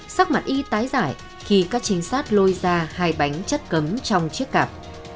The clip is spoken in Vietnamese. sắc mặt y tái giải khi các trinh sát lôi ra hai bánh chất cấm trong chiếc cạp